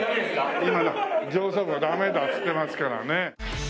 今上層部がダメだって言ってますからね。